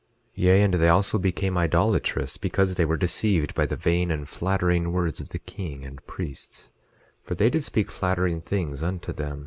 11:7 Yea, and they also became idolatrous, because they were deceived by the vain and flattering words of the king and priests; for they did speak flattering things unto them.